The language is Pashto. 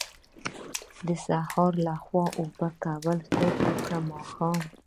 د سهار لخوا اوبه ورکول ښه دي که ماښام؟